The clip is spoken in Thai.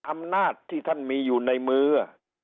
อำนาจที่ท่านมีอยู่ในมือ